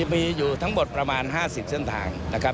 มีอยู่ทั้งหมดประมาณ๕๐เส้นทางนะครับ